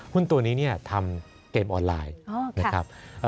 หุ้นตัวนี้ทำเกมออนไลน์นะครับ